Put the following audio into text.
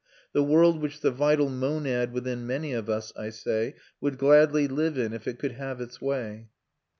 the world which the vital monad within many of us, I say, would gladly live in if it could have its way.